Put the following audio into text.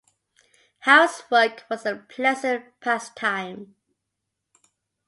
Housework was a pleasant pastime.